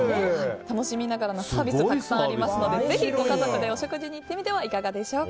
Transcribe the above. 楽しみながらのサービスがたくさんありますのでぜひご家族でお食事に行ってみてはいかがでしょうか。